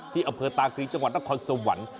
ที่อเภอตาครีจังหวัดตะคอนสวรรค์